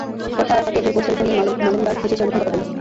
কথার ফাঁকে একজন পথচারীর সঙ্গে মালেন্দার হেসে হেসে অনেকক্ষণ কথা বললেন।